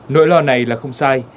nỗi lo này là không sai